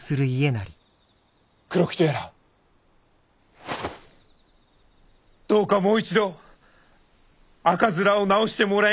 黒木とやらどうかもう一度赤面を治してもらえぬだろうか！